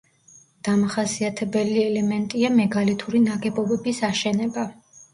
დამახასიათებელი ელემენტია მეგალითური ნაგებობების აშენება.